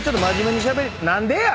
何でや！